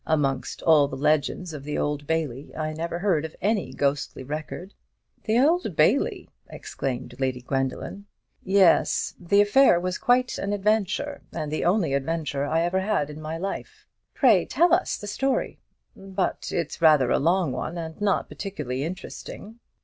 Amongst all the legends of the Old Bailey, I never heard of any ghostly record." "The Old Bailey!" exclaimed Lady Gwendoline. "Yes. The affair was quite an adventure, and the only adventure I ever had in my life." "Pray tell us the story." "But it's rather a long one, and not particularly interesting."